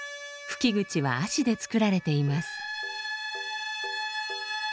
吹き口は葦で作られています。